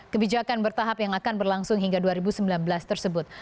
kebijakan bertahap yang akan berlangsung hingga dua ribu sembilan belas tersebut